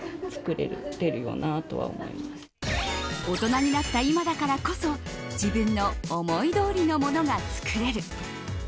大人になった今だからこそ自分の思いどおりのものが作れる。